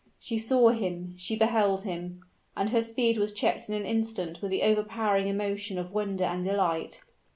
She saw him she beheld him: and her speed was checked in an instant with the overpowering emotion of wonder and delight.